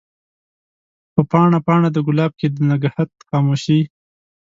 په پاڼه ، پاڼه دګلاب کښي د نګهت خاموشی